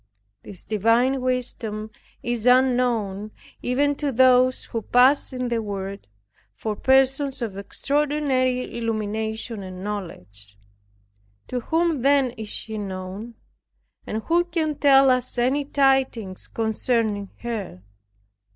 This divine wisdom is unknown, even to those who pass in the world for persons of extraordinary illumination and knowledge. To whom then is she known, and who can tell us any tidings concerning her?